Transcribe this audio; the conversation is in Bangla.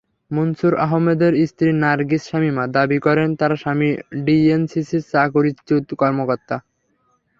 মুনসুর আহমেদের স্ত্রী নার্গিস শামিমা দাবি করেন, তাঁর স্বামী ডিএনসিসির চাকরিচ্যুত কর্মকর্তা।